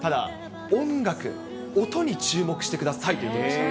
ただ、音楽、音に注目してくださいということでした。